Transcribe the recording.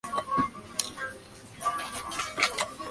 El centro administrativo es la ciudad de Mysore.